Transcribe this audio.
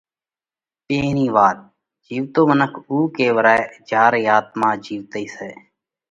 پيرھين وات: جيوَتو منک اُو ڪيوَرائھ جيا رئي آتما جيوَتئي سئہ۔